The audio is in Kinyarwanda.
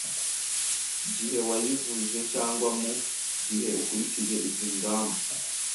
gihe wayivuje cyangwa mu gihe ukurikije izi ngmba